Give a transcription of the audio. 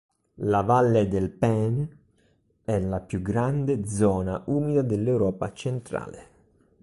La valle del Peene è la più grande zona umida dell'Europa centrale.